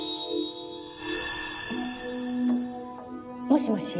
もしもし。